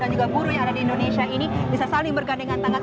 dan juga buruh yang ada di indonesia ini bisa saling bergandengan tangan